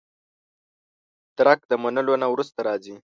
درک د منلو نه وروسته راځي.